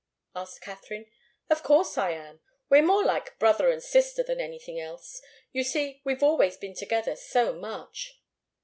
asked Katharine. "Of course I am. We're more like brother and sister than anything else. You see, we've always been together so much."